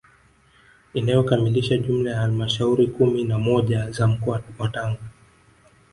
Inayokamilisha jumla ya halmashauri kumi na moja za mkoa wa Tanga